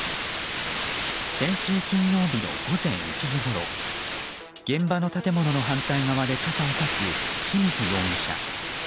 先週金曜日の午前１時ごろ現場の建物の反対側で傘をさす清水容疑者。